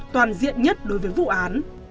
toàn diện nhất đối với vụ án